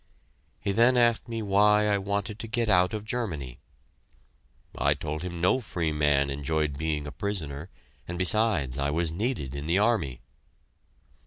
He then asked me why I wanted to get out of Germany. I told him no free man enjoyed being a prisoner, and besides, I was needed in the army.